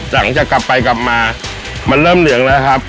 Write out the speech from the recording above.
หลังจากกลับไปกลับมามันเริ่มเหลืองแล้วครับ